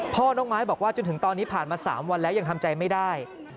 น้องไม้บอกว่าจนถึงตอนนี้ผ่านมา๓วันแล้วยังทำใจไม่ได้